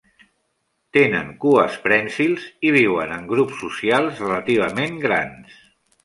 Tenen cues prènsils i viuen en grups socials relativament grans.